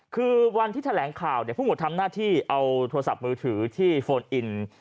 คือวันที่แถลงข่าวเนี่ยผู้หมดทำหน้าที่เอาโทรศัพท์มือถือที่โฟนอิน